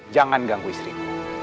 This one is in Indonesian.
jangan ganggu istrimu